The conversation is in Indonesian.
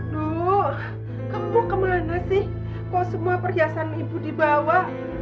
no kamu kemana sih kok semua perhiasan ibu dibawa